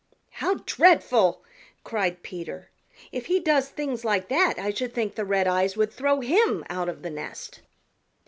"How dreadful!" cried Peter. "If he does things like that I should think the Redeyes would throw HIM out of the nest."